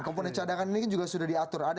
komponen cadangan ini kan juga sudah diatur